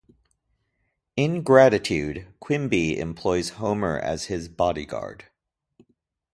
In gratitude, Quimby employs Homer as his bodyguard.